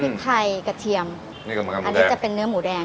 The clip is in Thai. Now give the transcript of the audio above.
พริกไทยกระเทียมนี่กับมันกับหมูแดงอันนี้จะเป็นเนื้อหมูแดง